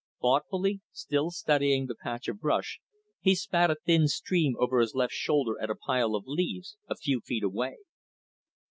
Thoughtfully, still studying the patch of brush, he spat a thin stream over his left shoulder at a pile of leaves a few feet away.